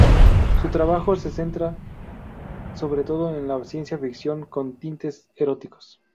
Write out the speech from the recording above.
Su trabajo se centra sobre todo en la ciencia ficción con tintes eróticos.